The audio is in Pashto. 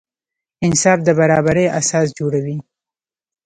انصاف د برابري اساس جوړوي.